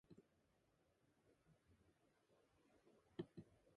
The song is the continuation of the previous single "Losing My Mind".